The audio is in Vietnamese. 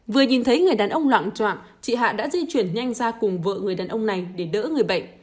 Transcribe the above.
vừa nhìn thấy người đàn ông loạn trọng chị hạ đã di chuyển nhanh ra cùng vợ người đàn ông này để đỡ người bệnh